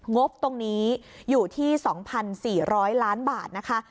บตรงนี้อยู่ที่๒๔๐๐ล้านบาทนะคะ